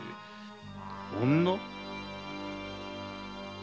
女？